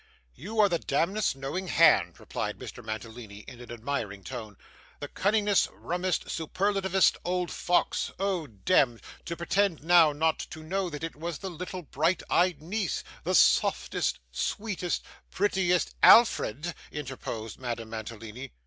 'You are the demdest, knowing hand,' replied Mr. Mantalini, in an admiring tone, 'the cunningest, rummest, superlativest old fox oh dem! to pretend now not to know that it was the little bright eyed niece the softest, sweetest, prettiest ' 'Alfred!' interposed Madame Mantalini.